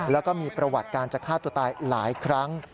แล้วก็มีประวัติการจะฆ่าตัวตายหลายครั้ง